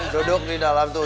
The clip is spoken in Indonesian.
duduk di dalam tuh